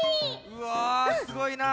うわすごいな。